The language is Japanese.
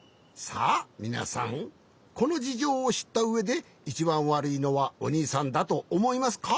さあみなさんこのじじょうをしったうえでいちばんわるいのはおにいさんだとおもいますか？